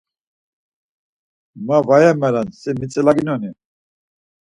Ma va yemalen, si mitzilaginoni?